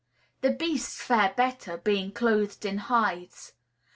The beasts fare better, being clothed in hides.